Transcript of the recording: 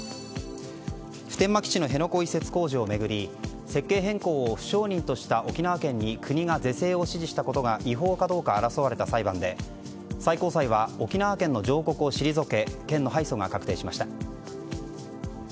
普天間基地の辺野古移設工事を巡り設計変更を不承認とした沖縄県に国が是正を指示したことが違法かどうか争われた裁判で最高裁は沖縄県の上告を退け県の敗訴が確定しました。